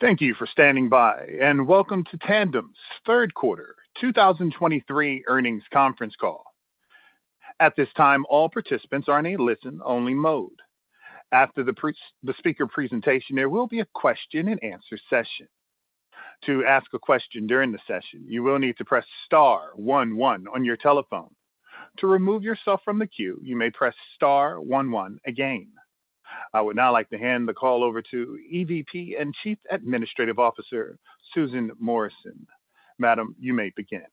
Thank you for standing by, and welcome to Tandem's third quarter 2023 earnings conference call. At this time, all participants are in a listen-only mode. After the speaker presentation, there will be a question-and-answer session. To ask a question during the session, you will need to press star one one on your telephone. To remove yourself from the queue, you may press star one one again. I would now like to hand the call over to EVP and Chief Administrative Officer, Susan Morrison. Madam, you may begin.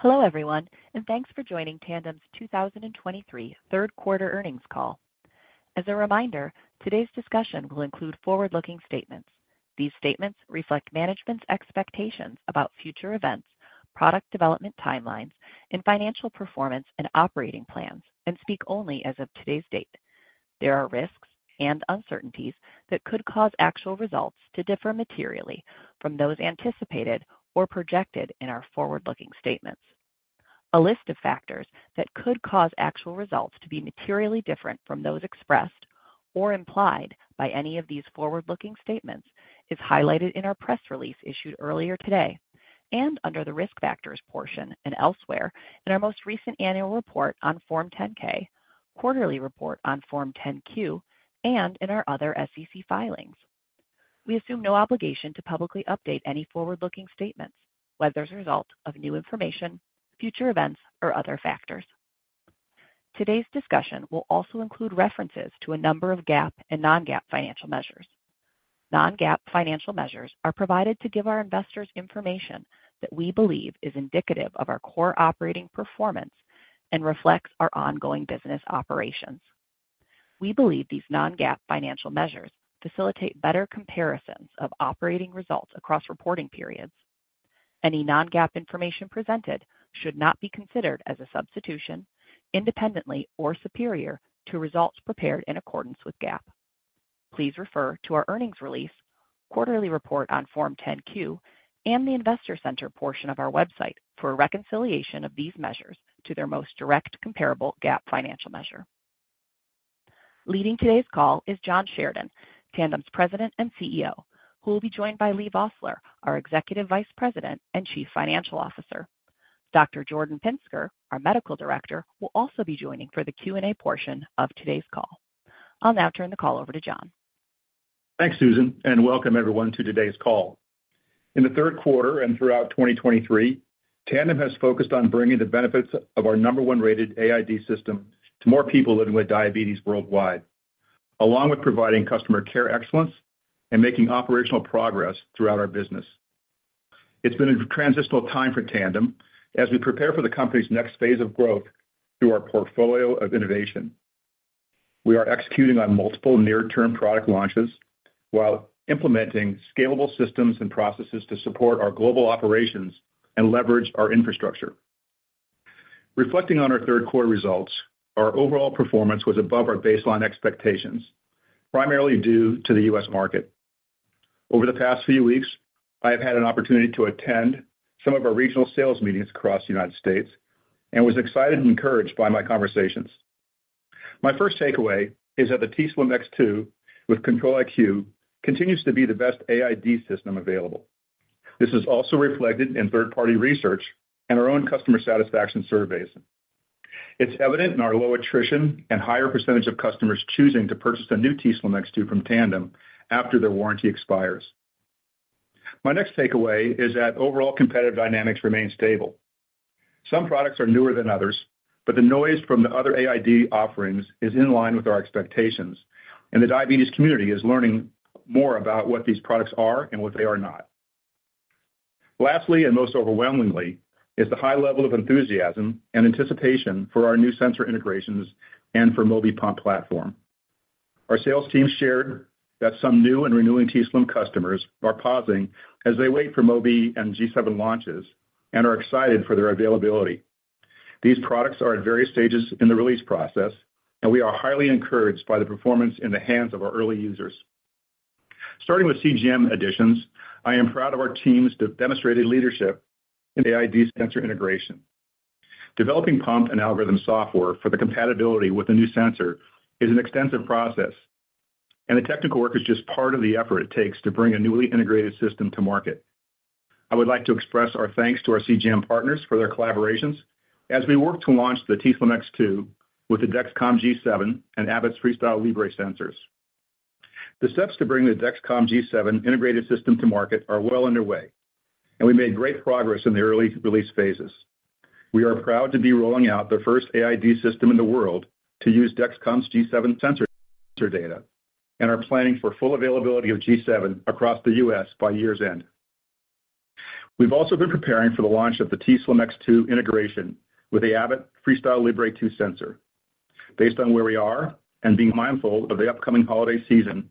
Hello, everyone, and thanks for joining Tandem's 2023 third quarter earnings call. As a reminder, today's discussion will include forward-looking statements. These statements reflect management's expectations about future events, product development timelines, and financial performance and operating plans, and speak only as of today's date. There are risks and uncertainties that could cause actual results to differ materially from those anticipated or projected in our forward-looking statements. A list of factors that could cause actual results to be materially different from those expressed or implied by any of these forward-looking statements is highlighted in our press release issued earlier today and under the Risk Factors portion and elsewhere in our most recent annual report on Form 10-K, quarterly report on Form 10-Q, and in our other SEC filings. We assume no obligation to publicly update any forward-looking statements, whether as a result of new information, future events, or other factors. Today's discussion will also include references to a number of GAAP and non-GAAP financial measures. Non-GAAP financial measures are provided to give our investors information that we believe is indicative of our core operating performance and reflects our ongoing business operations. We believe these non-GAAP financial measures facilitate better comparisons of operating results across reporting periods. Any non-GAAP information presented should not be considered as a substitution, independently, or superior to results prepared in accordance with GAAP. Please refer to our earnings release, quarterly report on Form 10-Q, and the Investor Center portion of our website for a reconciliation of these measures to their most direct comparable GAAP financial measure. Leading today's call is John Sheridan, Tandem's President and CEO, who will be joined by Leigh Vosseller, our Executive Vice President and Chief Financial Officer. Dr. Jordan Pinsker, our Medical Director, will also be joining for the Q&A portion of today's call. I'll now turn the call over to John. Thanks, Susan, and welcome everyone to today's call. In the third quarter and throughout 2023, Tandem has focused on bringing the benefits of our number one-rated AID system to more people living with diabetes worldwide, along with providing customer care excellence and making operational progress throughout our business. It's been a transitional time for Tandem as we prepare for the company's next phase of growth through our portfolio of innovation. We are executing on multiple near-term product launches while implementing scalable systems and processes to support our global operations and leverage our infrastructure. Reflecting on our third quarter results, our overall performance was above our baseline expectations, primarily due to the U.S. market. Over the past few weeks, I have had an opportunity to attend some of our regional sales meetings across the United States and was excited and encouraged by my conversations. My first takeaway is that the t:slim X2 with Control-IQ continues to be the best AID system available. This is also reflected in third-party research and our own customer satisfaction surveys. It's evident in our low attrition and higher percentage of customers choosing to purchase a new t:slim X2 from Tandem after their warranty expires. My next takeaway is that overall competitive dynamics remain stable. Some products are newer than others, but the noise from the other AID offerings is in line with our expectations, and the diabetes community is learning more about what these products are and what they are not. Lastly, and most overwhelmingly, is the high level of enthusiasm and anticipation for our new sensor integrations and for Mobi pump platform. Our sales team shared that some new and renewing t:slim customers are pausing as they wait for Mobi and G7 launches and are excited for their availability. These products are at various stages in the release process, and we are highly encouraged by the performance in the hands of our early users. Starting with CGM additions, I am proud of our team's demonstrated leadership in AID sensor integration. Developing pump and algorithm software for the compatibility with the new sensor is an extensive process, and the technical work is just part of the effort it takes to bring a newly integrated system to market. I would like to express our thanks to our CGM partners for their collaborations as we work to launch the t:slim X2 with the Dexcom G7 and Abbott's FreeStyle Libre sensors. The steps to bring the Dexcom G7 integrated system to market are well underway, and we made great progress in the early release phases. We are proud to be rolling out the first AID system in the world to use Dexcom's G7 sensor data and are planning for full availability of G7 across the U.S. by year's end. We've also been preparing for the launch of the t:slim X2 integration with the Abbott FreeStyle Libre 2 sensor. Based on where we are and being mindful of the upcoming holiday season,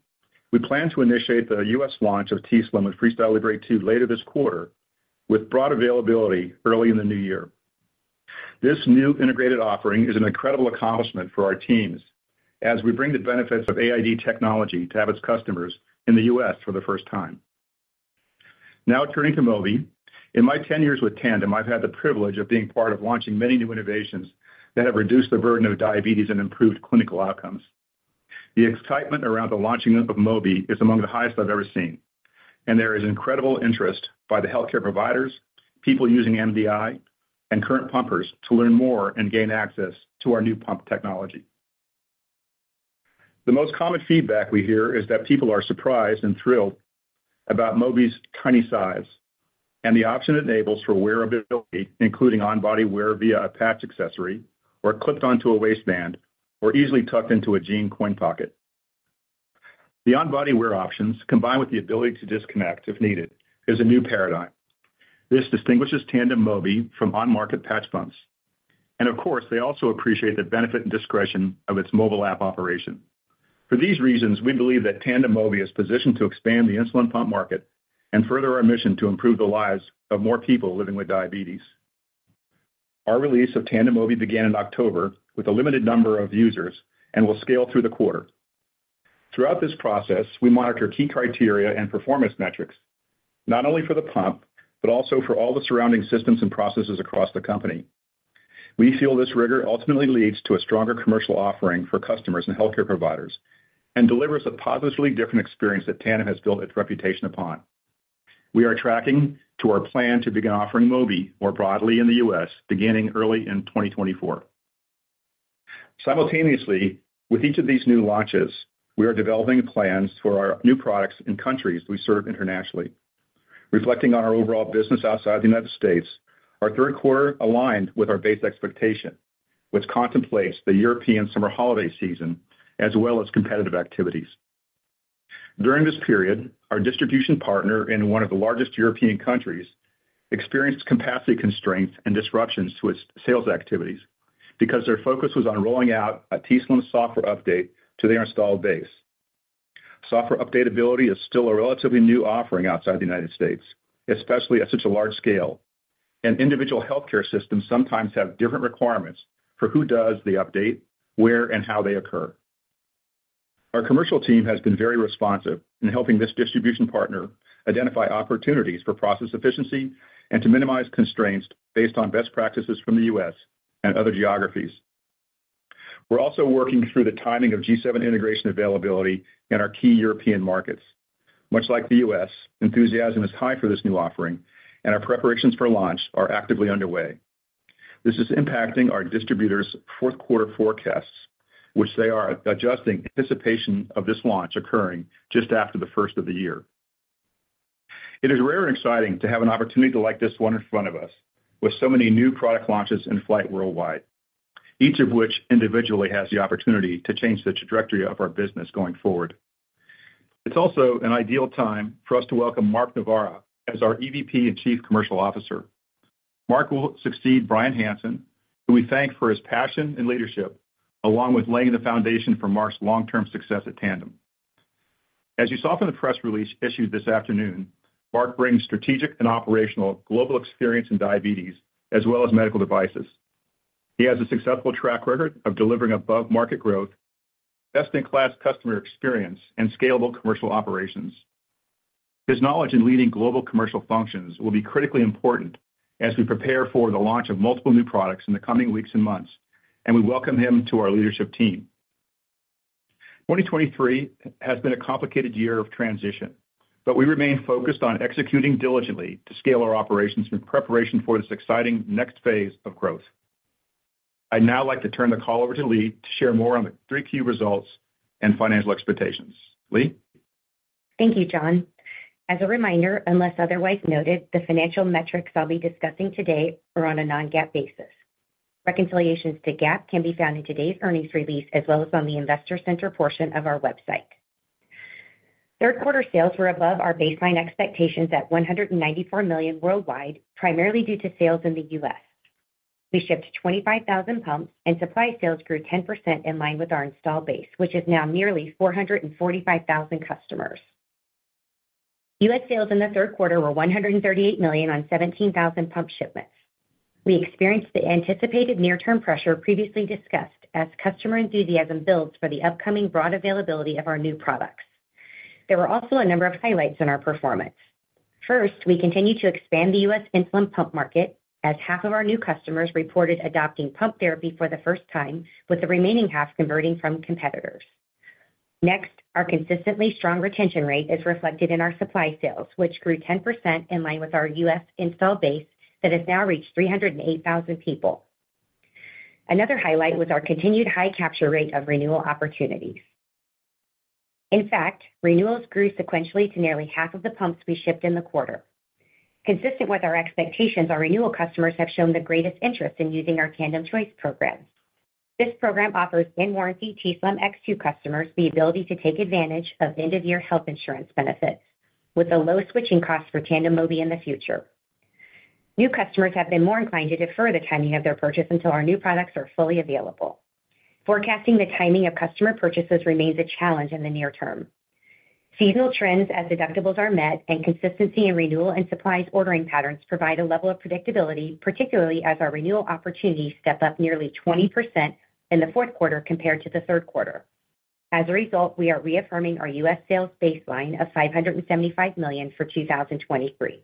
we plan to initiate the U.S. launch of t:slim with FreeStyle Libre 2 later this quarter, with broad availability early in the new year. This new integrated offering is an incredible accomplishment for our teams as we bring the benefits of AID technology to Abbott's customers in the U.S. for the first time. Now turning to Mobi. In my 10 years with Tandem, I've had the privilege of being part of launching many new innovations that have reduced the burden of diabetes and improved clinical outcomes. The excitement around the launching of Mobi is among the highest I've ever seen, and there is incredible interest by the healthcare providers, people using MDI, and current pumpers to learn more and gain access to our new pump technology. The most common feedback we hear is that people are surprised and thrilled about Mobi's tiny size, and the option it enables for wearability, including on-body wear via patch accessory, or clipped onto a waistband, or easily tucked into a jean coin pocket. The on-body wear options, combined with the ability to disconnect, if needed, is a new paradigm. This distinguishes Tandem Mobi from on-market patch pumps, and of course, they also appreciate the benefit and discretion of its mobile app operation. For these reasons, we believe that Tandem Mobi is positioned to expand the insulin pump market and further our mission to improve the lives of more people living with diabetes. Our release of Tandem Mobi began in October with a limited number of users and will scale through the quarter. Throughout this process, we monitor key criteria and performance metrics, not only for the pump, but also for all the surrounding systems and processes across the company. We feel this rigor ultimately leads to a stronger commercial offering for customers and healthcare providers, and delivers a positively different experience that Tandem has built its reputation upon. We are tracking to our plan to begin offering Mobi more broadly in the U.S. beginning early in 2024. Simultaneously, with each of these new launches, we are developing plans for our new products in countries we serve internationally. Reflecting on our overall business outside the United States, our third quarter aligned with our base expectation, which contemplates the European summer holiday season as well as competitive activities. During this period, our distribution partner in one of the largest European countries experienced capacity constraints and disruptions to its sales activities because their focus was on rolling out a t:slim software update to their installed base. Software updatability is still a relatively new offering outside the United States, especially at such a large scale, and individual healthcare systems sometimes have different requirements for who does the update, where, and how they occur. Our commercial team has been very responsive in helping this distribution partner identify opportunities for process efficiency and to minimize constraints based on best practices from the U.S. and other geographies. We're also working through the timing of G7 integration availability in our key European markets. Much like the U.S., enthusiasm is high for this new offering, and our preparations for launch are actively underway. This is impacting our distributors' fourth quarter forecasts, which they are adjusting in anticipation of this launch occurring just after the first of the year. It is rare and exciting to have an opportunity like this one in front of us, with so many new product launches in flight worldwide, each of which individually has the opportunity to change the trajectory of our business going forward. It's also an ideal time for us to welcome Mark Novara as our EVP and Chief Commercial Officer. Mark will succeed Brian Hansen, who we thank for his passion and leadership, along with laying the foundation for Mark's long-term success at Tandem. As you saw from the press release issued this afternoon, Mark brings strategic and operational global experience in diabetes as well as medical devices. He has a successful track record of delivering above-market growth, best-in-class customer experience, and scalable commercial operations. His knowledge in leading global commercial functions will be critically important as we prepare for the launch of multiple new products in the coming weeks and months, and we welcome him to our leadership team. 2023 has been a complicated year of transition, but we remain focused on executing diligently to scale our operations in preparation for this exciting next phase of growth. I'd now like to turn the call over to Leigh to share more on the three key results and financial expectations. Leigh? Thank you, John. As a reminder, unless otherwise noted, the financial metrics I'll be discussing today are on a non-GAAP basis. Reconciliations to GAAP can be found in today's earnings release, as well as on the investor center portion of our website. Third quarter sales were above our baseline expectations at $194 million worldwide, primarily due to sales in the U.S. We shipped 25,000 pumps, and supply sales grew 10% in line with our install base, which is now nearly 445,000 customers. U.S. sales in the third quarter were $138 million on 17,000 pump shipments. We experienced the anticipated near-term pressure previously discussed as customer enthusiasm builds for the upcoming broad availability of our new products. There were also a number of highlights in our performance. First, we continue to expand the US insulin pump market, as half of our new customers reported adopting pump therapy for the first time, with the remaining half converting from competitors. Next, our consistently strong retention rate is reflected in our supply sales, which grew 10% in line with our U.S. install base that has now reached 308,000 people. Another highlight was our continued high capture rate of renewal opportunities. In fact, renewals grew sequentially to nearly half of the pumps we shipped in the quarter. Consistent with our expectations, our renewal customers have shown the greatest interest in using our Tandem Choice program. This program offers in-warranty t:slim X2 customers the ability to take advantage of end-of-year health insurance benefits with a low switching cost for Tandem Mobi in the future. New customers have been more inclined to defer the timing of their purchase until our new products are fully available. Forecasting the timing of customer purchases remains a challenge in the near term. Seasonal trends as deductibles are met, and consistency in renewal and supplies ordering patterns provide a level of predictability, particularly as our renewal opportunities step up nearly 20% in the fourth quarter compared to the third quarter. As a result, we are reaffirming our U.S. sales baseline of $575 million for 2023.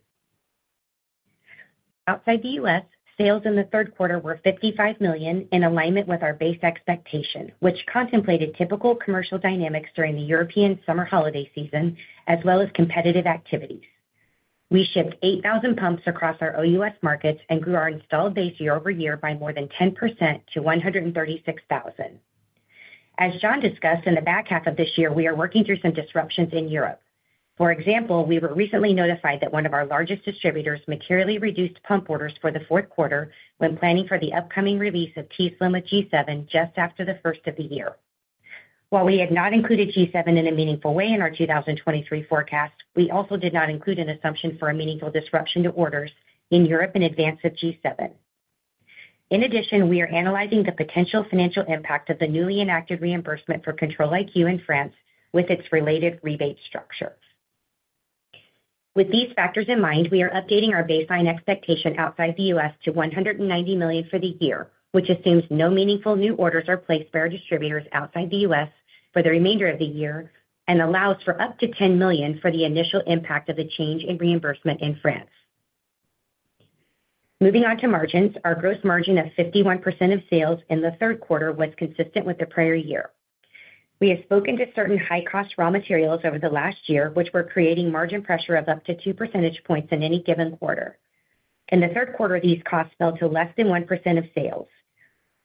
Outside the U.S., sales in the third quarter were $55 million, in alignment with our base expectation, which contemplated typical commercial dynamics during the European summer holiday season, as well as competitive activities. We shipped 8,000 pumps across our OUS markets and grew our installed base year-over-year by more than 10% to 136,000. As John discussed, in the back half of this year, we are working through some disruptions in Europe. For example, we were recently notified that one of our largest distributors materially reduced pump orders for the fourth quarter when planning for the upcoming release of t:slim with G7 just after the first of the year. While we had not included G7 in a meaningful way in our 2023 forecast, we also did not include an assumption for a meaningful disruption to orders in Europe in advance of G7. In addition, we are analyzing the potential financial impact of the newly enacted reimbursement for Control-IQ in France with its related rebate structure. With these factors in mind, we are updating our baseline expectation outside the U.S. to $190 million for the year, which assumes no meaningful new orders are placed by our distributors outside the U.S. for the remainder of the year and allows for up to $10 million for the initial impact of the change in reimbursement in France. Moving on to margins. Our gross margin of 51% of sales in the third quarter was consistent with the prior year. We have spoken to certain high-cost raw materials over the last year, which were creating margin pressure of up to 2 percentage points in any given quarter. In the third quarter, these costs fell to less than 1% of sales.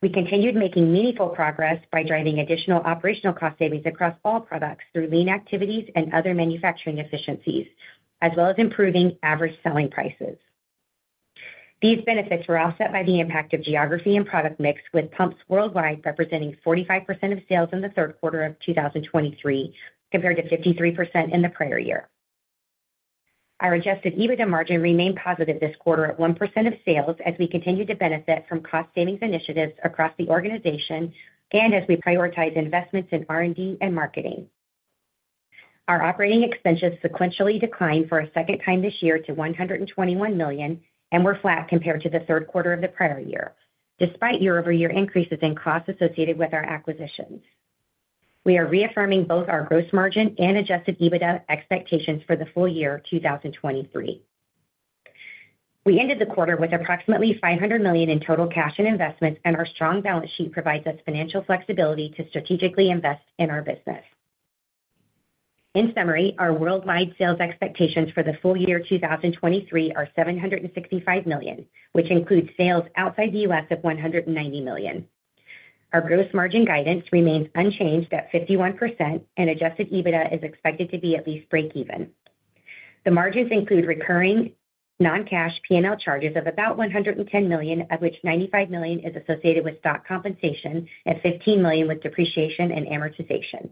We continued making meaningful progress by driving additional operational cost savings across all products through lean activities and other manufacturing efficiencies, as well as improving average selling prices. These benefits were offset by the impact of geography and product mix, with pumps worldwide representing 45% of sales in the third quarter of 2023, compared to 53% in the prior year. Our Adjusted EBITDA margin remained positive this quarter at 1% of sales, as we continue to benefit from cost savings initiatives across the organization and as we prioritize investments in R&D and marketing. Our operating expenses sequentially declined for a second time this year to $121 million and were flat compared to the third quarter of the prior year, despite year-over-year increases in costs associated with our acquisitions. We are reaffirming both our gross margin and adjusted EBITDA expectations for the full year 2023. We ended the quarter with approximately $500 million in total cash and investments, and our strong balance sheet provides us financial flexibility to strategically invest in our business. In summary, our worldwide sales expectations for the full year 2023 are $765 million, which includes sales outside the U.S. of $190 million. Our gross margin guidance remains unchanged at 51%, and adjusted EBITDA is expected to be at least breakeven. The margins include recurring non-cash P&L charges of about $110 million, of which $95 million is associated with stock compensation and $15 million with depreciation and amortization.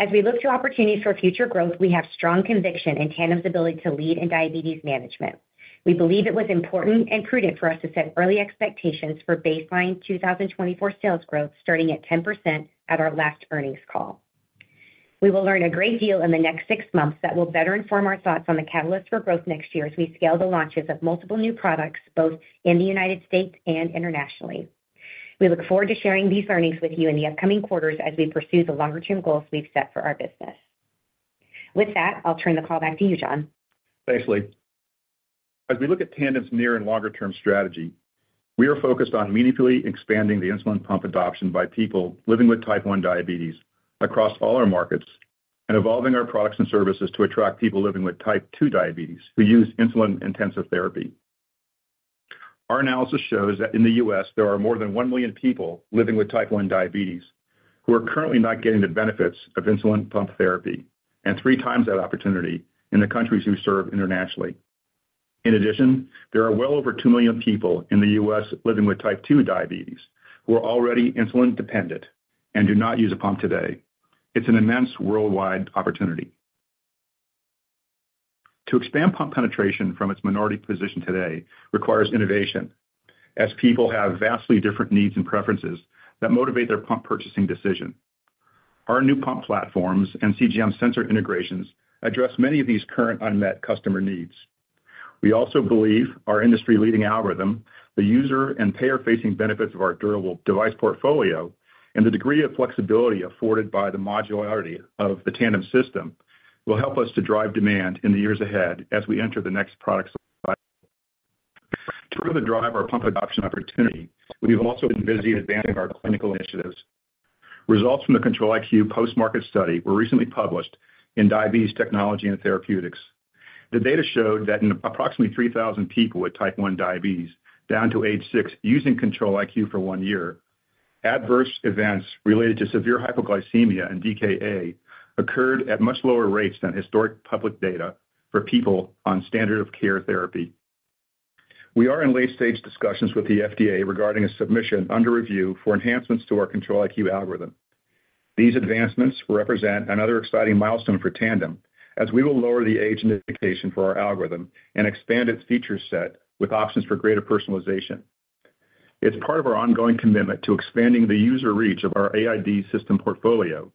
As we look to opportunities for future growth, we have strong conviction in Tandem's ability to lead in diabetes management. We believe it was important and prudent for us to set early expectations for baseline 2024 sales growth, starting at 10% at our last earnings call. We will learn a great deal in the next 6 months that will better inform our thoughts on the catalyst for growth next year as we scale the launches of multiple new products, both in the United States and internationally. We look forward to sharing these earnings with you in the upcoming quarters as we pursue the longer-term goals we've set for our business. With that, I'll turn the call back to you, John. Thanks, Leigh. As we look at Tandem's near and longer-term strategy, we are focused on meaningfully expanding the insulin pump adoption by people living with Type 1 diabetes across all our markets and evolving our products and services to attract people living with Type 2 diabetes who use insulin-intensive therapy. Our analysis shows that in the U.S., there are more than 1 million people living with Type 1 diabetes who are currently not getting the benefits of insulin pump therapy, and three times that opportunity in the countries we serve internationally. In addition, there are well over two million people in the U.S. living with Type 2 diabetes who are already insulin dependent and do not use a pump today. It's an immense worldwide opportunity. To expand pump penetration from its minority position today requires innovation, as people have vastly different needs and preferences that motivate their pump purchasing decision. Our new pump platforms and CGM sensor integrations address many of these current unmet customer needs. We also believe our industry-leading algorithm, the user and payer-facing benefits of our durable device portfolio, and the degree of flexibility afforded by the modularity of the Tandem system will help us to drive demand in the years ahead as we enter the next product. To further drive our pump adoption opportunity, we've also been busy advancing our clinical initiatives. Results from the Control-IQ post-market study were recently published in Diabetes Technology and Therapeutics. The data showed that in approximately 3,000 people with Type 1 diabetes, down to age six, using Control-IQ for one year, adverse events related to severe hypoglycemia and DKA occurred at much lower rates than historic public data for people on standard of care therapy. We are in late-stage discussions with the FDA regarding a submission under review for enhancements to our Control-IQ algorithm. These advancements represent another exciting milestone for Tandem, as we will lower the age indication for our algorithm and expand its feature set with options for greater personalization. It's part of our ongoing commitment to expanding the user reach of our AID system portfolio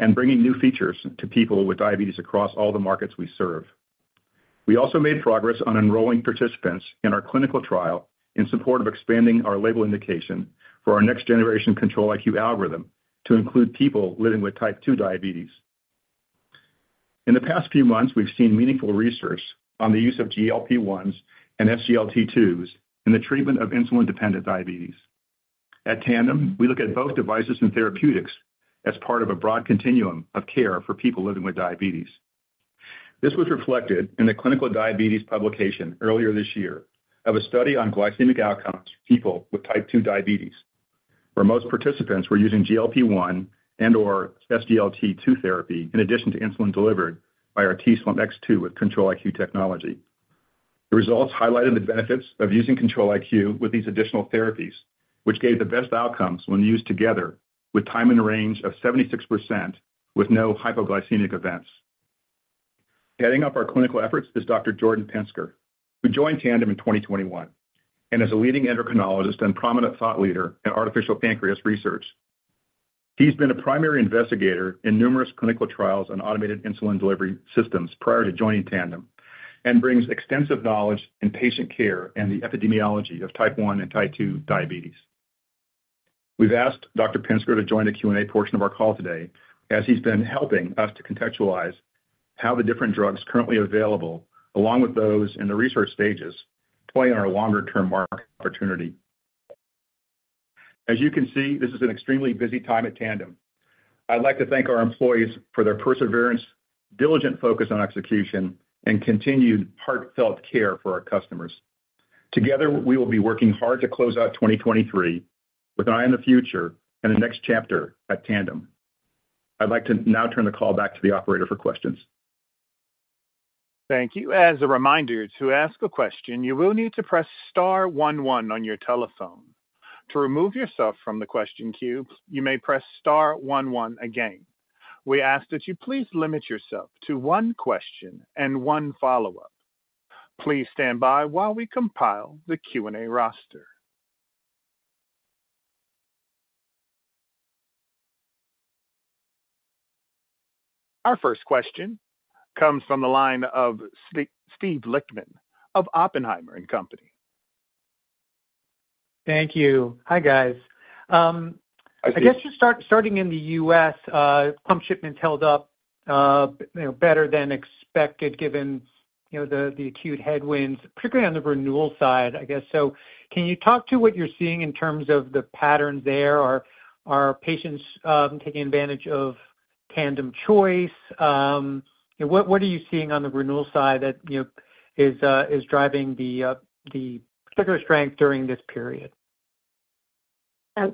and bringing new features to people with diabetes across all the markets we serve. We also made progress on enrolling participants in our clinical trial in support of expanding our label indication for our next generation Control-IQ algorithm to include people living with Type 2 diabetes. In the past few months, we've seen meaningful research on the use of GLP-1s and SGLT2s in the treatment of insulin-dependent diabetes. At Tandem, we look at both devices and therapeutics as part of a broad continuum of care for people living with diabetes. This was reflected in the Clinical Diabetes publication earlier this year of a study on glycemic outcomes for people with Type 2 diabetes, where most participants were using GLP-1 and/or SGLT2 therapy, in addition to insulin delivered by our t:slim X2 with Control-IQ technology. The results highlighted the benefits of using Control-IQ with these additional therapies, which gave the best outcomes when used together, with time in range of 76%, with no hypoglycemic events. Heading up our clinical efforts is Dr. Jordan Pinsker, who joined Tandem in 2021, and is a leading endocrinologist and prominent thought leader in artificial pancreas research. He's been a primary investigator in numerous clinical trials on automated insulin delivery systems prior to joining Tandem, and brings extensive knowledge in patient care and the epidemiology of Type 1 and Type 2 diabetes. We've asked Dr. Pinsker to join the Q&A portion of our call today, as he's been helping us to contextualize how the different drugs currently available, along with those in the research stages, play in our longer-term market opportunity. As you can see, this is an extremely busy time at Tandem. I'd like to thank our employees for their perseverance, diligent focus on execution, and continued heartfelt care for our customers. Together, we will be working hard to close out 2023 with an eye on the future and the next chapter at Tandem. I'd like to now turn the call back to the operator for questions. Thank you. As a reminder, to ask a question, you will need to press star one one on your telephone. To remove yourself from the question queue, you may press star one one again. We ask that you please limit yourself to one question and one follow-up. Please stand by while we compile the Q&A roster. Our first question comes from the line of Steve Lichtman of Oppenheimer & Co. Thank you. Hi, guys. I guess just starting in the U.S., pump shipments held up, you know, better than expected, given, you know, the acute headwinds, particularly on the renewal side, I guess. So can you talk to what you're seeing in terms of the patterns there? Are patients taking advantage of Tandem Choice? What are you seeing on the renewal side that you know is driving the particular strength during this period?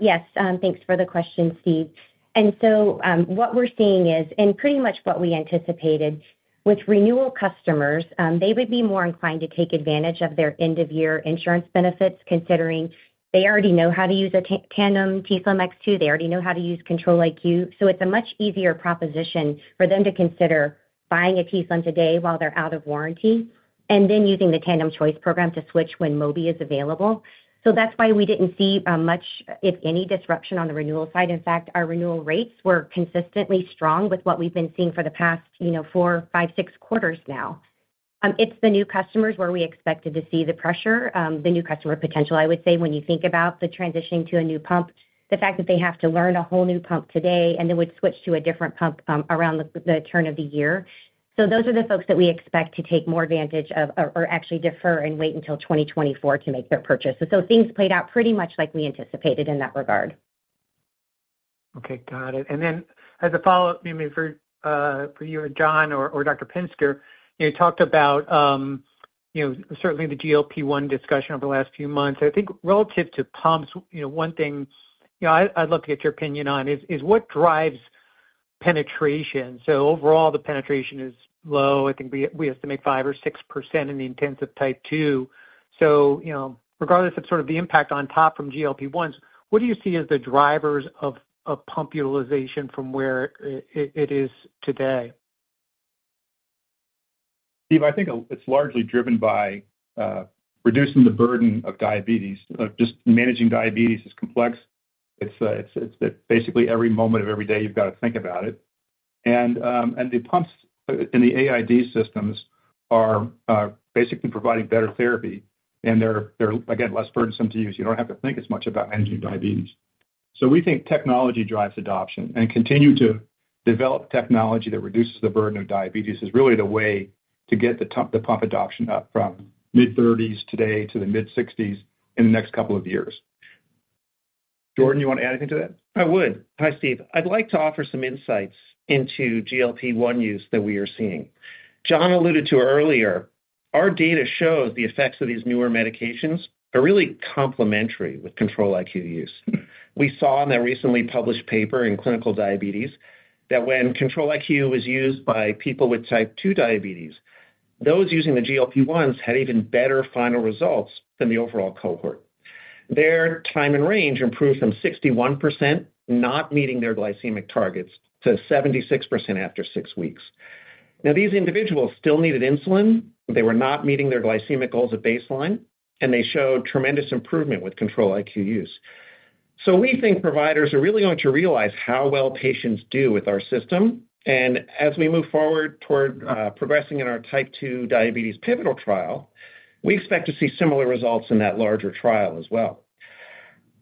Yes. Thanks for the question, Steve. And so, what we're seeing is, and pretty much what we anticipated, with renewal customers, they would be more inclined to take advantage of their end-of-year insurance benefits, considering they already know how to use a Tandem t:slim X2. They already know how to use Control-IQ. So it's a much easier proposition for them to consider buying a t:slim today while they're out of warranty, and then using the Tandem Choice program to switch when Mobi is available. So that's why we didn't see much, if any, disruption on the renewal side. In fact, our renewal rates were consistently strong with what we've been seeing for the past, you know, four, five, six quarters now. It's the new customers where we expected to see the pressure. The new customer potential, I would say, when you think about the transitioning to a new pump, the fact that they have to learn a whole new pump today, and then would switch to a different pump around the turn of the year. So those are the folks that we expect to take more advantage of or actually defer and wait until 2024 to make their purchase. So things played out pretty much like we anticipated in that regard. Okay, got it. Then as a follow-up, maybe for you or John or Dr. Pinsker, you talked about you know, certainly the GLP-1 discussion over the last few months. I think relative to pumps, you know, one thing, you know, I'd love to get your opinion on is what drives penetration? Overall, the penetration is low. I think we estimate 5% or 6% in the intensive type 2. You know, regardless of sort of the impact on top from GLP-1s, what do you see as the drivers of pump utilization from where it is today? Steve, I think it's largely driven by reducing the burden of diabetes. Of just managing diabetes is complex. It's basically every moment of every day you've got to think about it. And the pumps in the AID systems are basically providing better therapy, and they're again less burdensome to use. You don't have to think as much about managing diabetes. So we think technology drives adoption, and continue to develop technology that reduces the burden of diabetes is really the way to get the pump adoption up from mid-30s today to the mid-60s in the next couple of years. Jordan, you want to add anything to that? I would. Hi, Steve. I'd like to offer some insights into GLP-1 use that we are seeing. John alluded to earlier, our data shows the effects of these newer medications are really complementary with Control-IQ use. We saw in a recently published paper in Clinical Diabetes that when Control-IQ was used by people with Type 2 diabetes, those using the GLP-1s had even better final results than the overall cohort. Their Time in Range improved from 61%, not meeting their glycemic targets, to 76% after six weeks. Now, these individuals still needed insulin. They were not meeting their glycemic goals at baseline, and they showed tremendous improvement with Control-IQ use. So we think providers are really going to realize how well patients do with our system. And as we move forward toward progressing in our type 2 diabetes pivotal trial, we expect to see similar results in that larger trial as well.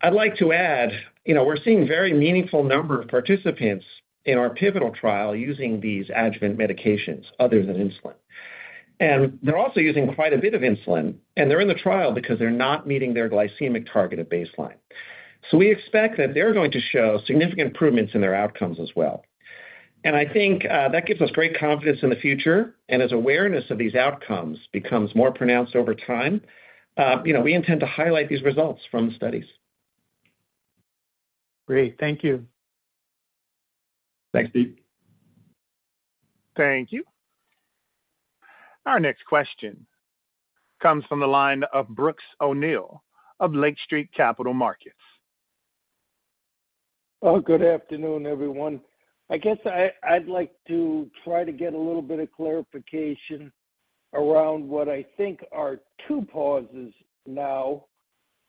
I'd like to add, you know, we're seeing very meaningful number of participants in our pivotal trial using these adjuvant medications other than insulin. And they're also using quite a bit of insulin, and they're in the trial because they're not meeting their glycemic target at baseline. So we expect that they're going to show significant improvements in their outcomes as well. And I think that gives us great confidence in the future. And as awareness of these outcomes becomes more pronounced over time, you know, we intend to highlight these results from the studies. Great. Thank you. Thanks, Steve. Thank you. Our next question comes from the line of Brooks O'Neil of Lake Street Capital Markets. Good afternoon, everyone. I guess I'd like to try to get a little bit of clarification around what I think are two pauses now.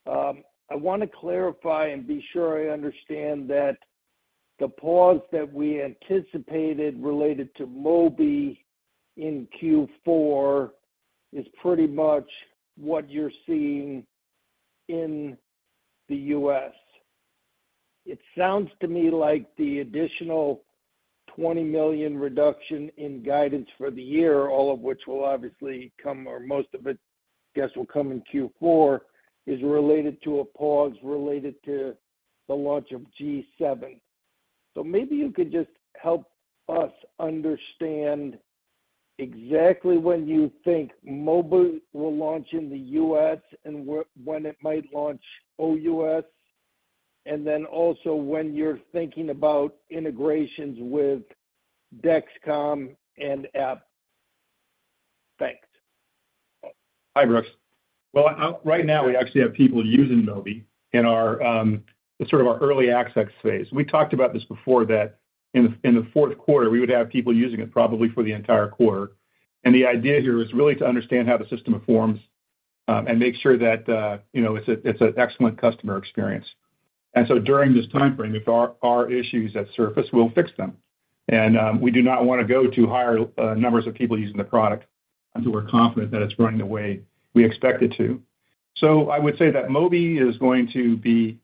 I wanna clarify and be sure I understand that the pause that we anticipated related to Mobi in Q4 is pretty much what you're seeing in the U.S. It sounds to me like the additional $20 million reduction in guidance for the year, all of which will obviously come, or most of it, I guess, will come in Q4, is related to a pause related to the launch of G7. So maybe you could just help us understand exactly when you think Mobi will launch in the U.S. and when it might launch OUS, and then also when you're thinking about integrations with Dexcom and Abbott. Thanks. Hi, Brooks. Well, right now, we actually have people using Mobi in our, sort of our early access phase. We talked about this before, that in the fourth quarter, we would have people using it probably for the entire quarter. And the idea here is really to understand how the system performs, and make sure that, you know, it's an excellent customer experience. And so during this time frame, if there are issues that surface, we'll fix them. And, we do not wanna go to higher, numbers of people using the product until we're confident that it's running the way we expect it to. So I would say that Mobi is going to be,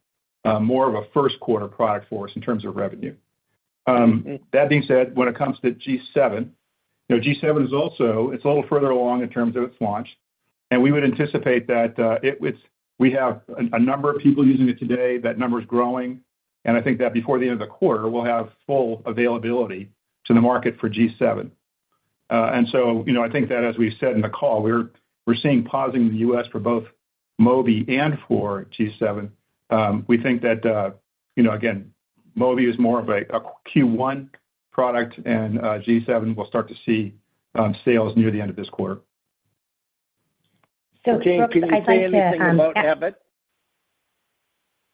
more of a first quarter product for us in terms of revenue. That being said, when it comes to G7, you know, G7 is also, it's a little further along in terms of its launch, and we would anticipate that it would... We have a number of people using it today. That number is growing, and I think that before the end of the quarter, we'll have full availability to the market for G7. And so, you know, I think that as we said in the call, we're seeing pausing in the U.S. for both Mobi and for G7. We think that, you know, again, Mobi is more of a Q1 product, and G7, we'll start to see sales near the end of this quarter. So, Brooks, I'd like to- Can you say anything about Abbott?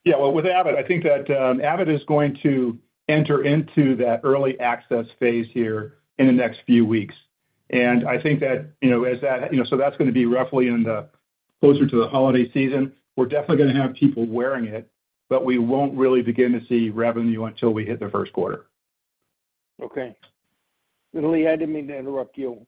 Yeah. Well, with Abbott, I think that Abbott is going to enter into that early access phase here in the next few weeks. And I think that, you know, as that—you know, so that's gonna be roughly in the closer to the holiday season. We're definitely gonna have people wearing it, but we won't really begin to see revenue until we hit the first quarter. Okay. Leigh, I didn't mean to interrupt you. Oh,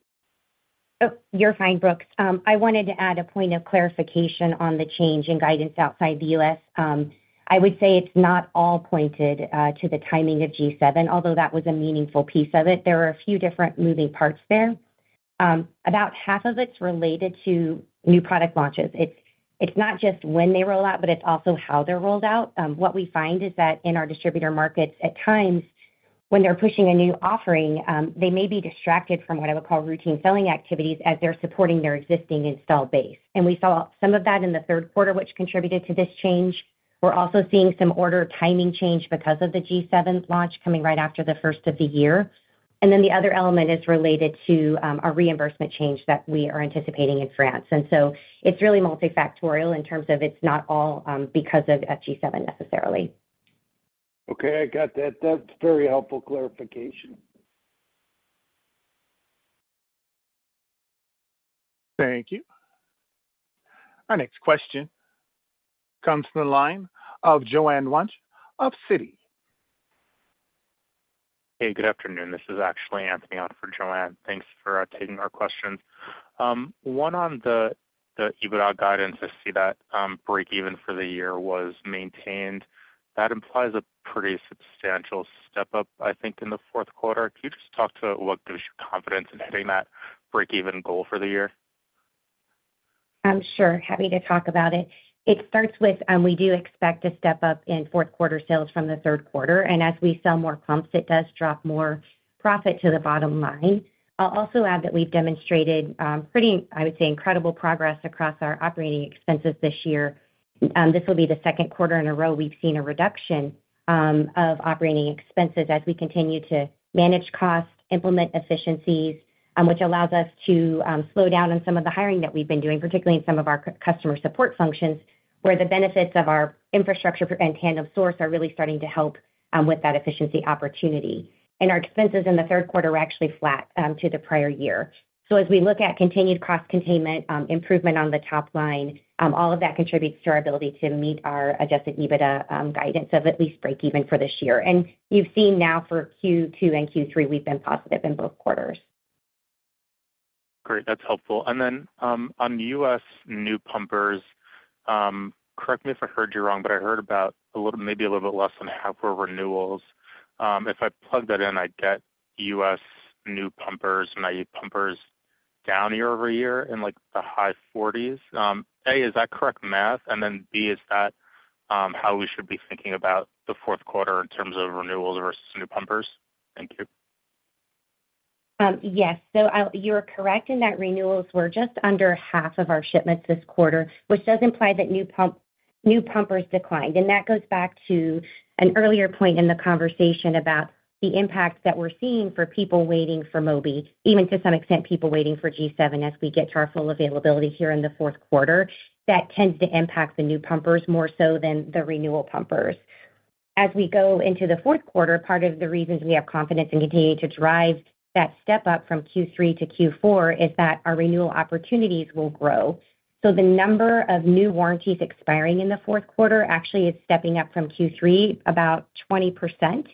you're fine, Brooks. I wanted to add a point of clarification on the change in guidance outside the U.S. I would say it's not all pointed to the timing of G7, although that was a meaningful piece of it. There were a few different moving parts there. About half of it's related to new product launches. It's, it's not just when they roll out, but it's also how they're rolled out. What we find is that in our distributor markets, at times, when they're pushing a new offering, they may be distracted from what I would call routine selling activities as they're supporting their existing installed base. We saw some of that in the third quarter, which contributed to this change. We're also seeing some order timing change because of the G7's launch coming right after the first of the year. Then the other element is related to a reimbursement change that we are anticipating in France. So it's really multifactorial in terms of it's not all because of G7 necessarily. Okay, I got that. That's very helpful clarification. Thank you. Our next question comes from the line of Joanne Wuensch of Citi. Hey, good afternoon. This is actually Anthony on for Joanne. Thanks for taking our questions. One, on the EBITDA guidance, I see that break-even for the year was maintained. That implies a pretty substantial step-up, I think, in the fourth quarter. Can you just talk to what gives you confidence in hitting that break-even goal for the year? Sure. Happy to talk about it. It starts with, we do expect to step up in fourth quarter sales from the third quarter, and as we sell more pumps, it does drop more profit to the bottom line. I'll also add that we've demonstrated, pretty, I would say, incredible progress across our operating expenses this year. This will be the second quarter in a row we've seen a reduction of operating expenses as we continue to manage costs, implement efficiencies, which allows us to slow down on some of the hiring that we've been doing, particularly in some of our customer support functions, where the benefits of our infrastructure and Tandem stores are really starting to help with that efficiency opportunity. Our expenses in the third quarter were actually flat to the prior year. As we look at continued cost containment, improvement on the top line, all of that contributes to our ability to meet our Adjusted EBITDA guidance of at least breakeven for this year. You've seen now for Q2 and Q3, we've been positive in both quarters. Great, that's helpful. And then, on the U.S. new pumpers, correct me if I heard you wrong, but I heard about a little, maybe a little bit less than half were renewals. If I plug that in, I get U.S. new pumpers, naive pumpers down year-over-year in, like, the high 40s. A, is that correct math? And then, B, is that, how we should be thinking about the fourth quarter in terms of renewals versus new pumpers? Thank you. Yes. So, you are correct in that renewals were just under half of our shipments this quarter, which does imply that new pump, new pumpers declined. That goes back to an earlier point in the conversation about the impact that we're seeing for people waiting for Mobi, even to some extent, people waiting for G7 as we get to our full availability here in the fourth quarter. That tends to impact the new pumpers more so than the renewal pumpers. As we go into the fourth quarter, part of the reasons we have confidence in continuing to drive that step up from Q3 to Q4 is that our renewal opportunities will grow. So the number of new warranties expiring in the fourth quarter actually is stepping up from Q3, about 20%.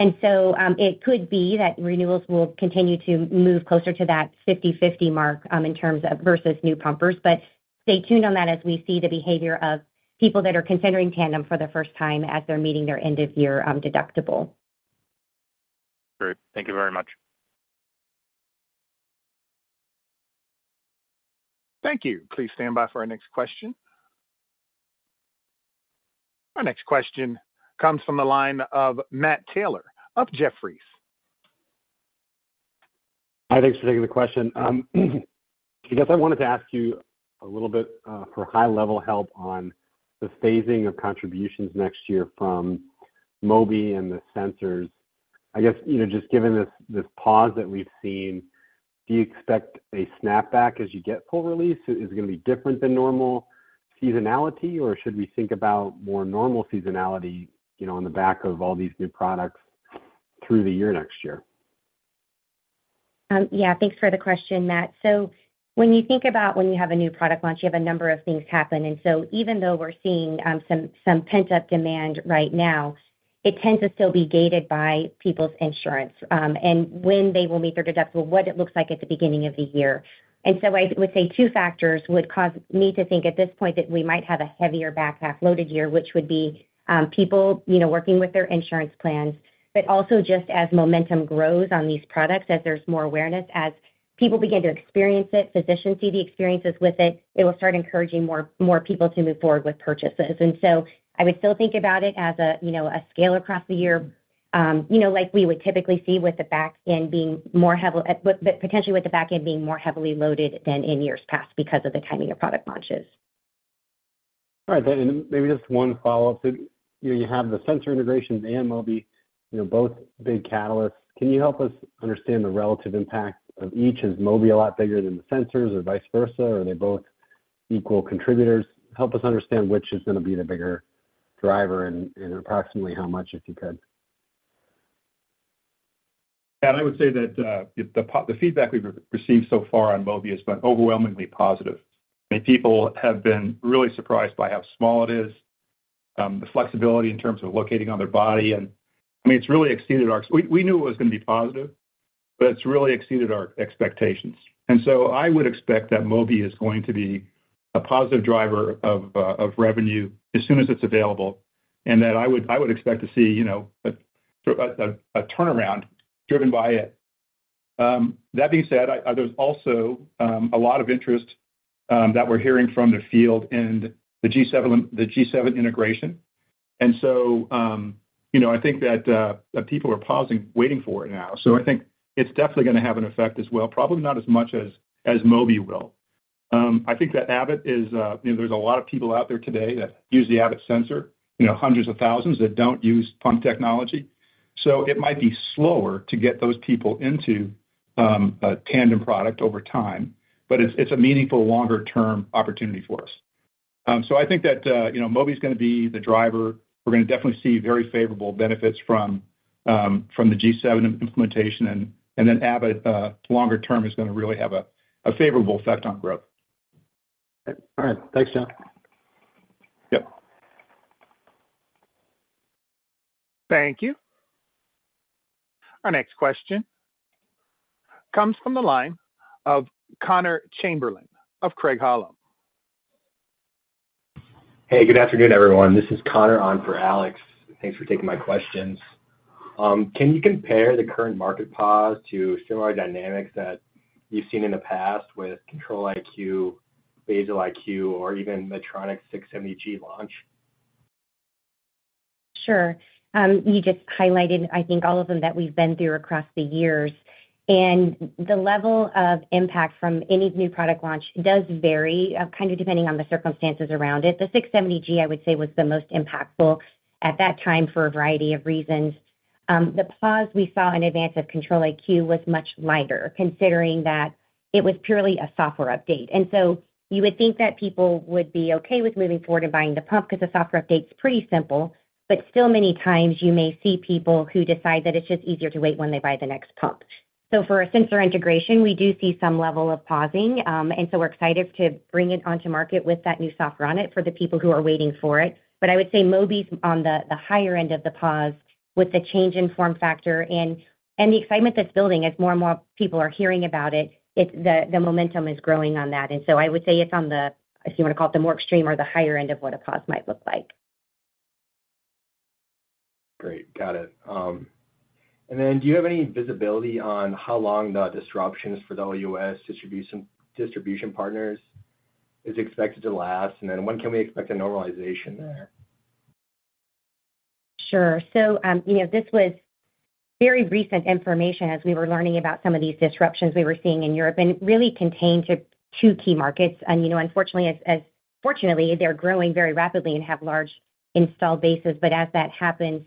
And so, it could be that renewals will continue to move closer to that 50/50 mark, in terms of versus new pumpers. But stay tuned on that as we see the behavior of people that are considering Tandem for the first time as they're meeting their end-of-year deductible. Great. Thank you very much. Thank you. Please stand by for our next question. Our next question comes from the line of Matt Taylor of Jefferies. Hi, thanks for taking the question. I guess I wanted to ask you a little bit for high-level help on the phasing of contributions next year from Mobi and the sensors. I guess, you know, just given this, this pause that we've seen, do you expect a snapback as you get full release? Is it gonna be different than normal seasonality, or should we think about more normal seasonality, you know, on the back of all these new products through the year next year? Yeah, thanks for the question, Matt. So when you think about when you have a new product launch, you have a number of things happen. And so even though we're seeing some pent-up demand right now, it tends to still be gated by people's insurance and when they will meet their deductible, what it looks like at the beginning of the year. And so I would say two factors would cause me to think at this point that we might have a heavier back-loaded year, which would be people, you know, working with their insurance plans. But also, just as momentum grows on these products, as there's more awareness, as people begin to experience it, physicians see the experiences with it, it will start encouraging more people to move forward with purchases. So I would still think about it as a, you know, a scale across the year, you know, like we would typically see with the back end being more heavily... but potentially with the back end being more heavily loaded than in years past because of the timing of product launches. All right, then maybe just one follow-up. So, you know, you have the sensor integrations and Mobi, you know, both big catalysts. Can you help us understand the relative impact of each? Is Mobi a lot bigger than the sensors or vice versa, or are they both equal contributors? Help us understand which is gonna be the bigger driver and, and approximately how much, if you could. Yeah, I would say that the feedback we've received so far on Mobi has been overwhelmingly positive. I mean, people have been really surprised by how small it is, the flexibility in terms of locating on their body. And, I mean, it's really exceeded our expectations. We knew it was gonna be positive, but it's really exceeded our expectations. And so I would expect that Mobi is going to be a positive driver of revenue as soon as it's available, and that I would expect to see, you know, a sort of a turnaround driven by it. That being said, there's also a lot of interest that we're hearing from the field in the G7, the G7 integration. And so, you know, I think that people are pausing, waiting for it now. So I think it's definitely gonna have an effect as well, probably not as much as, as Mobi will. I think that Abbott is, you know, there's a lot of people out there today that use the Abbott sensor, you know, hundreds of thousands that don't use pump technology. So it might be slower to get those people into, a Tandem product over time, but it's, it's a meaningful longer-term opportunity for us. So I think that, you know, Mobi is gonna be the driver. We're gonna definitely see very favorable benefits from, from the G7 implementation, and, and then Abbott, longer term, is gonna really have a, a favorable effect on growth. All right. Thanks, John. Yep. Thank you. Our next question comes from the line of Connor Chamberlain of Craig-Hallum. Hey, good afternoon, everyone. This is Connor on for Alex. Thanks for taking my questions. Can you compare the current market pause to similar dynamics that you've seen in the past with Control-IQ, Basal-IQ, or even Medtronic's 670G launch? Sure. You just highlighted, I think, all of them that we've been through across the years, and the level of impact from any new product launch does vary, kind of depending on the circumstances around it. The 670G, I would say, was the most impactful at that time for a variety of reasons. The pause we saw in advance of Control-IQ was much lighter, considering that it was purely a software update. And so you would think that people would be okay with moving forward and buying the pump because the software update's pretty simple. But still many times you may see people who decide that it's just easier to wait when they buy the next pump. So for a sensor integration, we do see some level of pausing, and so we're excited to bring it onto market with that new software on it for the people who are waiting for it. But I would say Mobi's on the higher end of the pause with the change in form factor and the excitement that's building as more and more people are hearing about it, it's the momentum is growing on that. And so I would say it's on the, if you want to call it, the more extreme or the higher end of what a pause might look like. Great. Got it. And then, do you have any visibility on how long the disruptions for the OUS distribution partners is expected to last? And then, when can we expect a normalization there? Sure. So, you know, this was very recent information as we were learning about some of these disruptions we were seeing in Europe, and it really confined to two key markets. And, you know, unfortunately, fortunately, they're growing very rapidly and have large installed bases. But as that happens,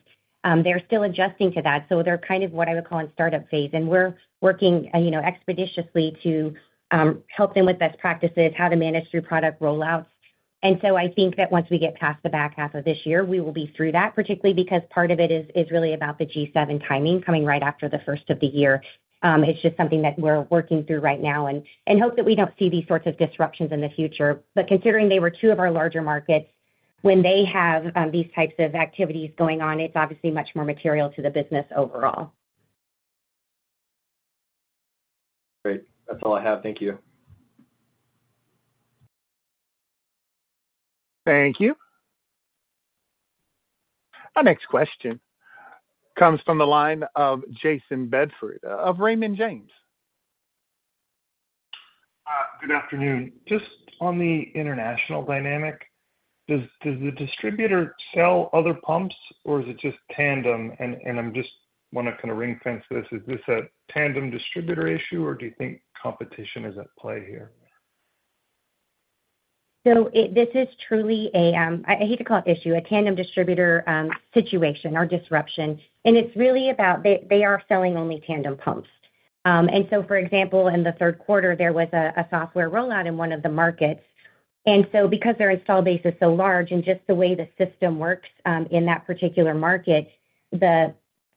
they're still adjusting to that. So they're kind of what I would call in start-up phase, and we're working, you know, expeditiously to help them with best practices, how to manage through product rollouts. And so I think that once we get past the back half of this year, we will be through that, particularly because part of it is really about the G7 timing coming right after the first of the year. It's just something that we're working through right now and hope that we don't see these sorts of disruptions in the future. But considering they were two of our larger markets, when they have these types of activities going on, it's obviously much more material to the business overall. Great. That's all I have. Thank you. Thank you. Our next question comes from the line of Jayson Bedford of Raymond James. Good afternoon. Just on the international dynamic, does the distributor sell other pumps, or is it just Tandem? I just want to kind of ring-fence this. Is this a Tandem distributor issue, or do you think competition is at play here? So this is truly a, I hate to call it issue, a Tandem distributor situation or disruption, and it's really about they are selling only Tandem pumps. And so, for example, in the third quarter, there was a software rollout in one of the markets. And so because their installed base is so large and just the way the system works, in that particular market, the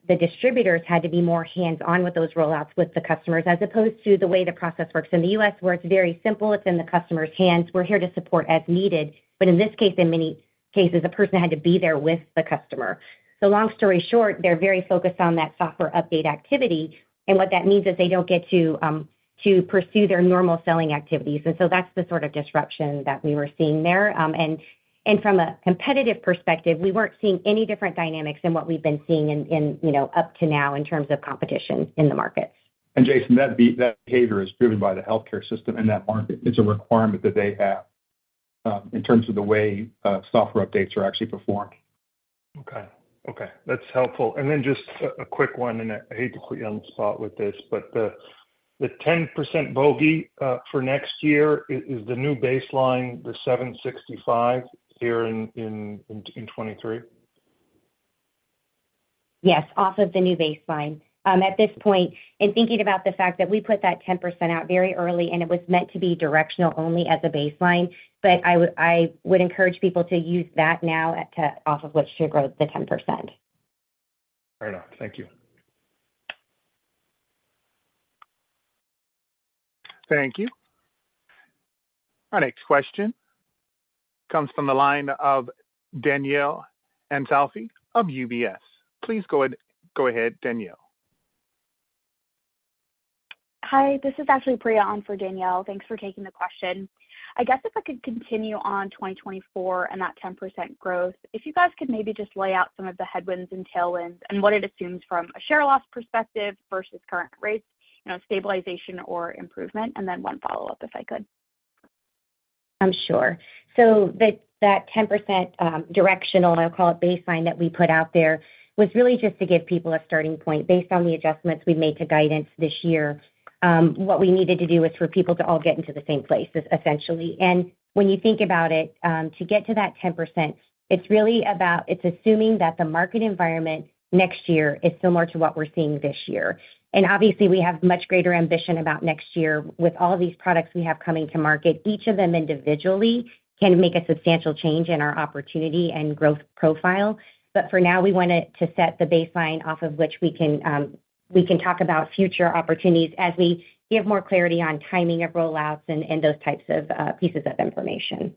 distributors had to be more hands-on with those rollouts with the customers, as opposed to the way the process works in the U.S., where it's very simple. It's in the customer's hands. We're here to support as needed, but in this case, in many cases, a person had to be there with the customer. So long story short, they're very focused on that software update activity, and what that means is they don't get to to pursue their normal selling activities. So that's the sort of disruption that we were seeing there. From a competitive perspective, we weren't seeing any different dynamics than what we've been seeing in you know up to now in terms of competition in the market. Jayson, that behavior is driven by the healthcare system in that market. It's a requirement that they have, in terms of the way software updates are actually performed. Okay. Okay, that's helpful. And then just a quick one, and I hate to put you on the spot with this, but the 10% Mobi for next year, is the new baseline, the 765 here in 2023? Yes, off of the new baseline. At this point, in thinking about the fact that we put that 10% out very early, and it was meant to be directional only as a baseline, but I would encourage people to use that now off of what should grow the 10%. Fair enough. Thank you. Thank you. Our next question comes from the line of Danielle Antalffy of UBS. Please go ahead, go ahead, Danielle. Hi, this is actually Priya on for Danielle. Thanks for taking the question. I guess if I could continue on 2024 and that 10% growth, if you guys could maybe just lay out some of the headwinds and tailwinds and what it assumes from a share loss perspective versus current rates, you know, stabilization or improvement, and then one follow-up, if I could. Sure. So that, that 10%, directional, I'll call it, baseline that we put out there was really just to give people a starting point based on the adjustments we made to guidance this year. What we needed to do was for people to all get into the same place, essentially. When you think about it, to get to that 10%, it's really about—it's assuming that the market environment next year is similar to what we're seeing this year. And obviously, we have much greater ambition about next year. With all of these products we have coming to market, each of them individually can make a substantial change in our opportunity and growth profile. But for now, we wanted to set the baseline off of which we can, we can talk about future opportunities as we give more clarity on timing of rollouts and, and those types of, pieces of information.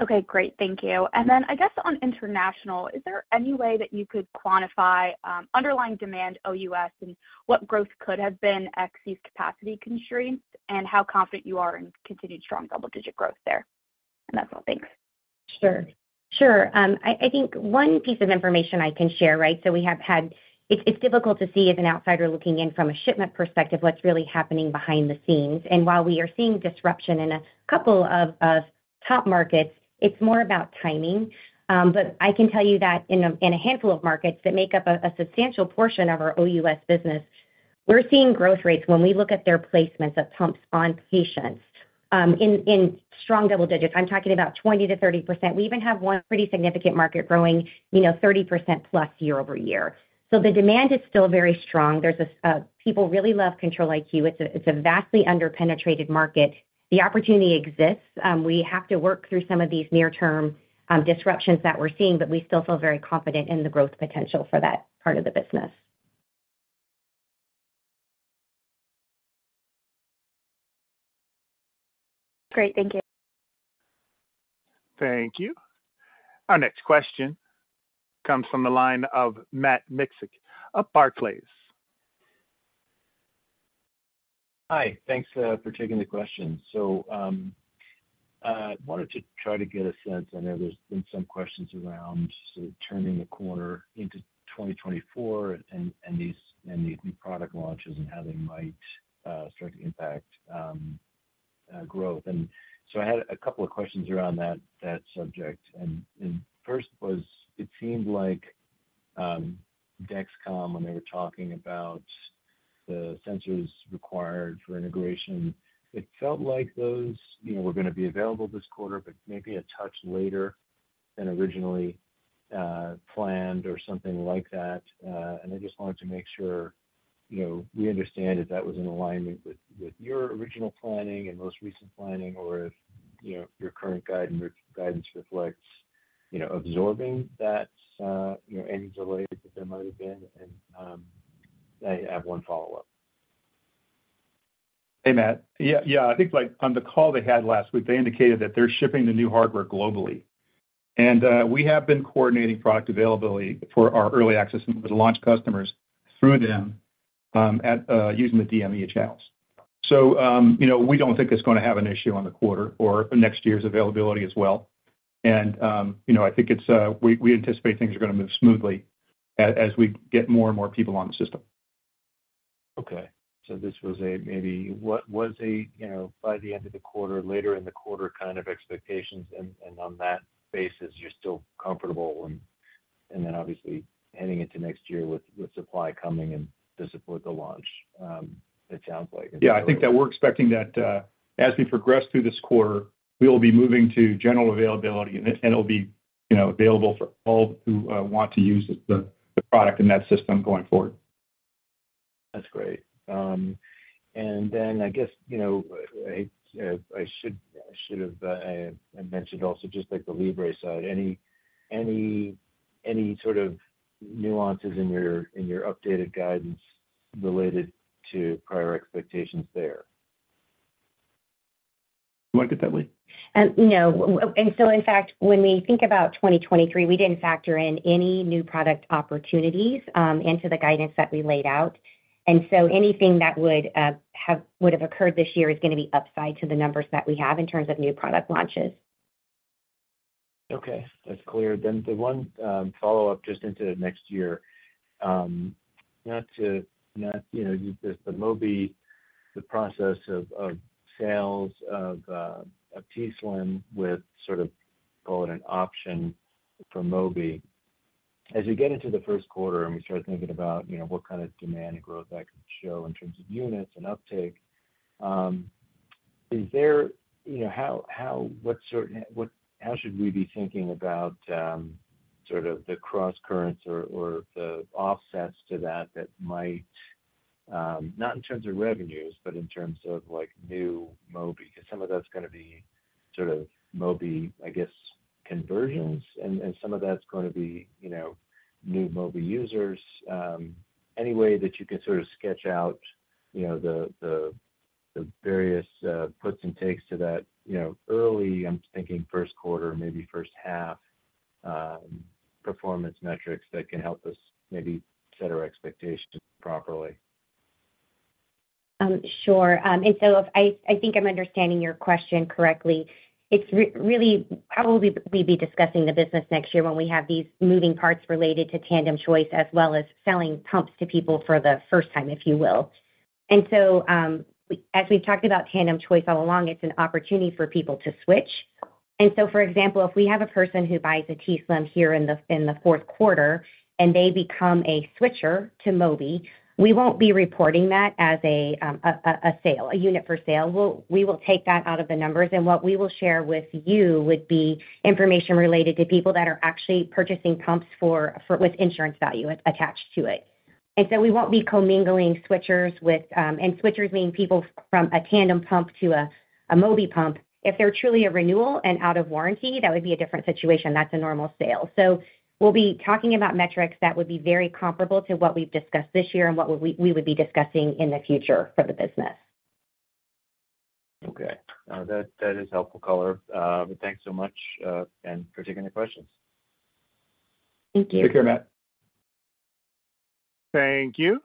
Okay, great. Thank you. And then I guess on international, is there any way that you could quantify, underlying demand OUS and what growth could have been ex these capacity constraints, and how confident you are in continued strong double-digit growth there? And that's all. Thanks. Sure. Sure, I think one piece of information I can share, right? It's difficult to see as an outsider looking in from a shipment perspective, what's really happening behind the scenes. And while we are seeing disruption in a couple of top markets, it's more about timing. But I can tell you that in a handful of markets that make up a substantial portion of our OUS business. We're seeing growth rates when we look at their placements of pumps on patients, in strong double digits. I'm talking about 20%-30%. We even have one pretty significant market growing, you know, 30%+ year-over-year. So the demand is still very strong. There's this, people really love Control-IQ. It's a vastly under-penetrated market. The opportunity exists. We have to work through some of these near-term disruptions that we're seeing, but we still feel very confident in the growth potential for that part of the business. Great. Thank you. Thank you. Our next question comes from the line of Matt Miksic of Barclays. Hi, thanks, for taking the question. So, I wanted to try to get a sense. I know there's been some questions around sort of turning the corner into 2024 and, and these, and the new product launches and how they might, start to impact, growth. And so I had a couple of questions around that, that subject. And, and first was, it seemed like, Dexcom, when they were talking about the sensors required for integration, it felt like those, you know, were going to be available this quarter, but maybe a touch later than originally, planned or something like that. And I just wanted to make sure, you know, we understand if that was in alignment with, with your original planning and most recent planning, or if, you know, your current guidance, guidance reflects, you know, absorbing that, you know, any delays that there might have been. And, I have one follow-up. Hey, Matt. Yeah, yeah. I think, like, on the call they had last week, they indicated that they're shipping the new hardware globally. And, we have been coordinating product availability for our early access and with launch customers through them, at, using the DME channels. So, you know, we don't think it's going to have an issue on the quarter or next year's availability as well. And, you know, I think it's, we anticipate things are going to move smoothly as we get more and more people on the system. Okay. So this was a maybe what was a, you know, by the end of the quarter, later in the quarter kind of expectations, and on that basis, you're still comfortable, and then obviously heading into next year with supply coming in to support the launch, it sounds like. Yeah, I think that we're expecting that as we progress through this quarter, we will be moving to general availability, and it, and it'll be, you know, available for all who want to use the product in that system going forward. That's great. And then I guess, you know, I should have mentioned also just like the Libre side, any sort of nuances in your updated guidance related to prior expectations there? You want to get that, Leigh? No. And so in fact, when we think about 2023, we didn't factor in any new product opportunities into the guidance that we laid out. And so anything that would have occurred this year is going to be upside to the numbers that we have in terms of new product launches. Okay, that's clear. Then the one, follow-up just into next year, not to, not, you know, just the Mobi, the process of, of sales of, a t:slim with sort of call it an option for Mobi. As you get into the first quarter and we start thinking about, you know, what kind of demand and growth that could show in terms of units and uptake, is there-- you know, how should we be thinking about, sort of the crosscurrents or, or the offsets to that, that might, not in terms of revenues, but in terms of like new Mobi? Because some of that's going to be sort of Mobi, I guess, conversions, and, and some of that's going to be, you know, new Mobi users. Any way that you could sort of sketch out, you know, the various puts and takes to that, you know, early, I'm thinking first quarter, maybe first half, performance metrics that can help us maybe set our expectations properly? Sure. And so if I think I'm understanding your question correctly, it's really how will we be discussing the business next year when we have these moving parts related to Tandem Choice, as well as selling pumps to people for the first time, if you will. And so, as we've talked about Tandem Choice all along, it's an opportunity for people to switch. And so, for example, if we have a person who buys a t:slim here in the fourth quarter, and they become a switcher to Mobi, we won't be reporting that as a sale, a unit for sale. We'll take that out of the numbers, and what we will share with you would be information related to people that are actually purchasing pumps for with insurance value attached to it. And so we won't be commingling switchers with. Switchers mean people from a Tandem pump to a Mobi pump. If they're truly a renewal and out of warranty, that would be a different situation. That's a normal sale. So we'll be talking about metrics that would be very comparable to what we've discussed this year and what we would be discussing in the future for the business. Okay. That is helpful color. Thanks so much, and for taking the questions. Thank you. Take care, Matt. Thank you.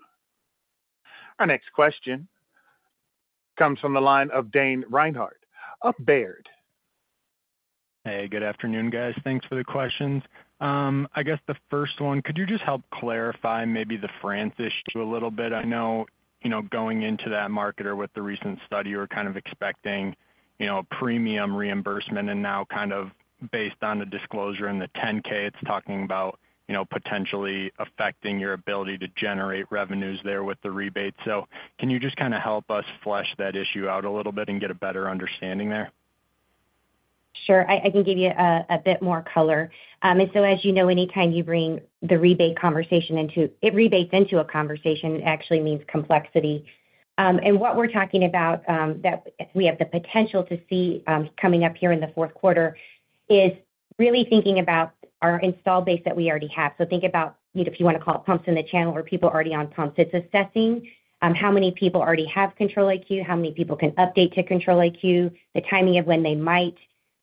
Our next question comes from the line of Dane Reinhardt of Baird. Hey, good afternoon, guys. Thanks for the questions. I guess the first one, could you just help clarify maybe the France issue a little bit? I know, you know, going into that market or with the recent study, you were kind of expecting, you know, a premium reimbursement, and now kind of based on the disclosure in the 10-K, it's talking about, you know, potentially affecting your ability to generate revenues there with the rebate. So can you just kind of help us flesh that issue out a little bit and get a better understanding there? Sure, I can give you a bit more color. And so as you know, anytime you bring the rebate conversation into it, rebates into a conversation, it actually means complexity. And what we're talking about, that we have the potential to see, coming up here in the fourth quarter, is really thinking about our installed base that we already have. So think about, if you wanna call it pumps in the channel or people already on pumps, it's assessing, how many people already have Control-IQ, how many people can update to Control-IQ, the timing of when they might,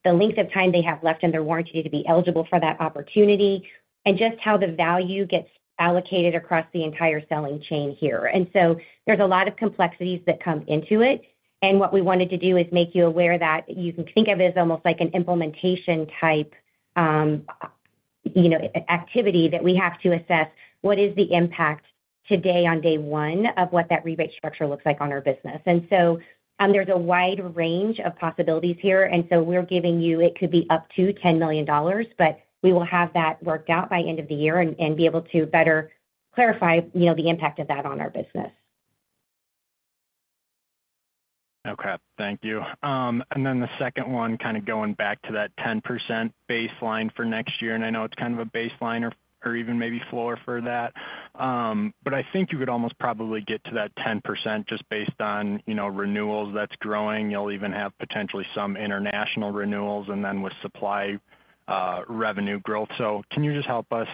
the length of time they have left in their warranty to be eligible for that opportunity, and just how the value gets allocated across the entire selling chain here. And so there's a lot of complexities that come into it, and what we wanted to do is make you aware that you can think of it as almost like an implementation type, you know, activity that we have to assess what is the impact today on day one of what that rebate structure looks like on our business? And so, there's a wide range of possibilities here, and so we're giving you it could be up to $10 million, but we will have that worked out by end of the year and be able to better clarify, you know, the impact of that on our business. Okay, thank you. And then the second one, kind of going back to that 10% baseline for next year, and I know it's kind of a baseline or, or even maybe floor for that. But I think you could almost probably get to that 10% just based on, you know, renewals that's growing. You'll even have potentially some international renewals and then with supply, revenue growth. So can you just help us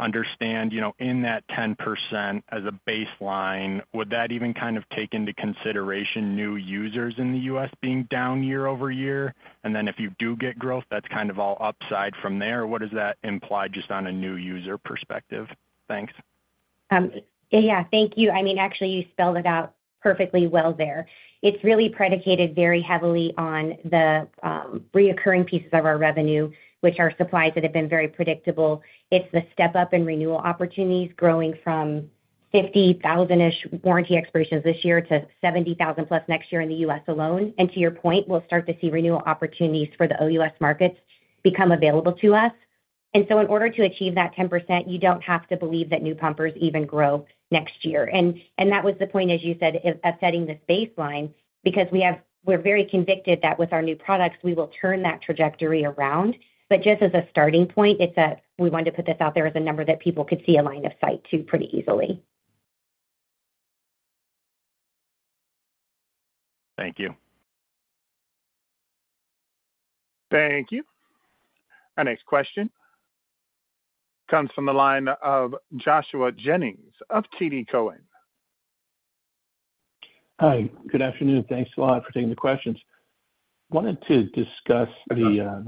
understand, you know, in that 10% as a baseline, would that even kind of take into consideration new users in the U.S. being down year-over-year? And then if you do get growth, that's kind of all upside from there, or what does that imply just on a new user perspective? Thanks. Yeah, thank you. I mean, actually, you spelled it out perfectly well there. It's really predicated very heavily on the recurring pieces of our revenue, which are supplies that have been very predictable. It's the step-up in renewal opportunities growing from 50,000-ish warranty expirations this year to 70,000+ next year in the US alone. And to your point, we'll start to see renewal opportunities for the OUS markets become available to us. And so in order to achieve that 10%, you don't have to believe that new pumpers even grow next year. And that was the point, as you said, of setting this baseline, because we have, we're very convicted that with our new products, we will turn that trajectory around. Just as a starting point, it's that we wanted to put this out there as a number that people could see a line of sight to pretty easily. Thank you. Thank you. Our next question comes from the line of Joshua Jennings of TD Cowen. Hi, good afternoon. Thanks a lot for taking the questions. Wanted to discuss the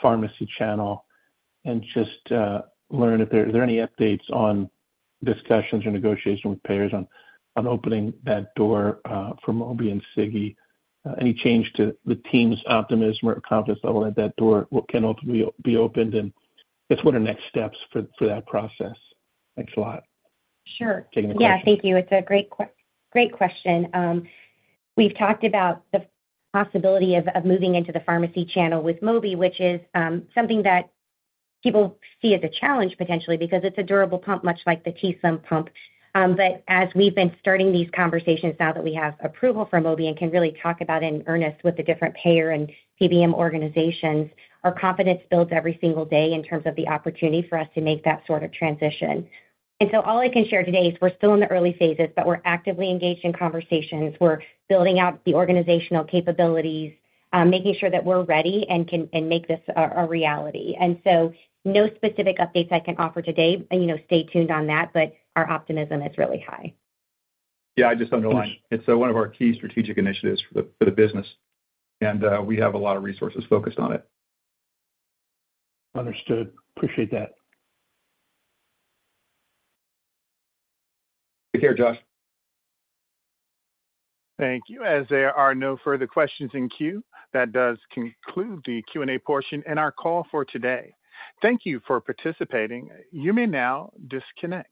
pharmacy channel and just learn if there are any updates on discussions or negotiations with payers on opening that door for Mobi and Sigi? Any change to the team's optimism or confidence level that door can open, be opened, and just what are next steps for that process? Thanks a lot. Sure. Taking the questions. Yeah, thank you. It's a great question. We've talked about the possibility of moving into the pharmacy channel with Mobi, which is something that people see as a challenge potentially because it's a durable pump, much like the t:slim pump. But as we've been starting these conversations, now that we have approval for Mobi and can really talk about in earnest with the different payer and PBM organizations, our confidence builds every single day in terms of the opportunity for us to make that sort of transition. So all I can share today is we're still in the early phases, but we're actively engaged in conversations. We're building out the organizational capabilities, making sure that we're ready and can make this a reality. And so, no specific updates I can offer today, and, you know, stay tuned on that, but our optimism is really high. Yeah, I just underline. It's one of our key strategic initiatives for the, for the business, and we have a lot of resources focused on it. Understood. Appreciate that. Take care, Josh. Thank you. As there are no further questions in queue, that does conclude the Q&A portion and our call for today. Thank you for participating. You may now disconnect.